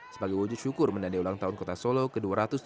sebagai wujud syukur mendadak ulang tahun kota solo ke dua ratus tujuh puluh